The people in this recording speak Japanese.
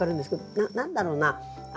何だろうな？